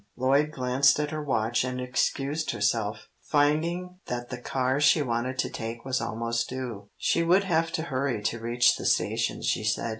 Lloyd glanced at her watch and excused herself, finding that the car she wanted to take was almost due. She would have to hurry to reach the station she said.